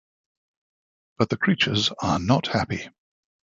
But the creatures are not happy.